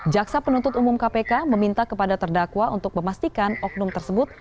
jaksa penuntut umum kpk meminta kepada terdakwa untuk memastikan oknum tersebut